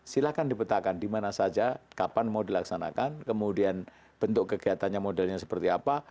silahkan dipetakan dimana saja kapan mau dilaksanakan kemudian bentuk kegiatannya modelnya seperti apa